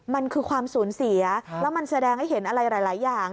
มันคือความสูญเสียแล้วมันแสดงให้เห็นอะไรหลายอย่าง